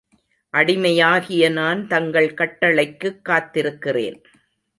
அடிமையாகிய நான் தங்கள் கட்டளைக்குக் காத்திருக்கிறேன்.